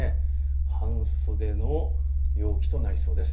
半袖の陽気となりそうです。